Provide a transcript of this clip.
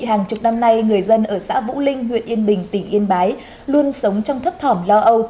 hàng chục năm nay người dân ở xã vũ linh huyện yên bình tỉnh yên bái luôn sống trong thấp thỏm lo âu